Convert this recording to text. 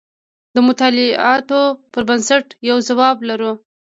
د مطالعاتو پر بنسټ یو ځواب لرو.